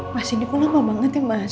mas ini pun lama banget ya mas